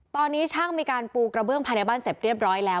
ตอนนี้ช่างมีการปูกระเบื้องภายในบ้านเสร็จเรียบร้อยแล้ว